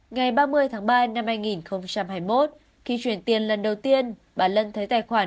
ngày ba mươi tháng ba năm hai nghìn hai mươi một khi chuyển tiền lần đầu tiên bà lân thấy tài khoản